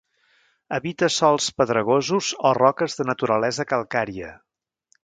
Habita sòls pedregosos o roques de naturalesa calcària.